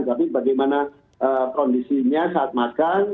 tapi bagaimana kondisinya saat makan